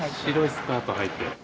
白いスカートはいて。